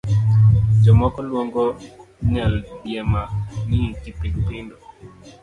Jomoko luongo nyaldiema ni kipindu pindu.